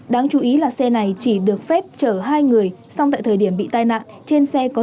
đáng chú ý là xe này chỉ được phép chở hai người xong tại thời điểm bị tai nạn